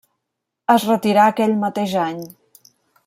Es retirà aquell mateix any.